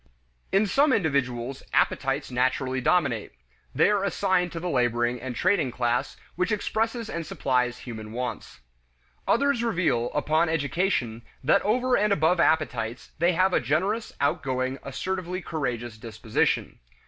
In some individuals, appetites naturally dominate; they are assigned to the laboring and trading class, which expresses and supplies human wants. Others reveal, upon education, that over and above appetites, they have a generous, outgoing, assertively courageous disposition.